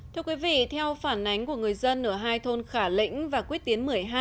thưa quý vị theo phản ánh của người dân ở hai thôn khả lĩnh và quyết tiến một mươi hai